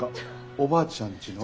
おばあちゃんち？